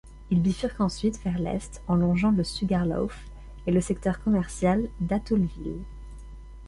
Il bifurque ensuite vers l'est en longeant le Sugarloaf et le secteur commercial d'Atholville.